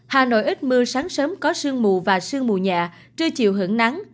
hà nội ít mưa sáng sớm có sương mù và sương mù nhẹ chưa chiều hưởng nắng